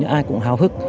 hầu như ai cũng hào hức